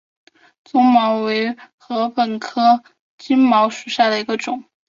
棕茅为禾本科金茅属下的一个种。